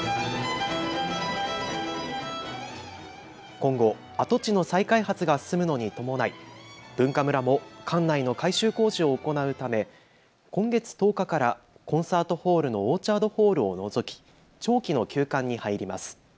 今後、跡地の再開発が進むのに伴いＢｕｎｋａｍｕｒａも館内の改修工事を行うため今月１０日からコンサートホールのオーチャードホールを除き長期の休館に入ります。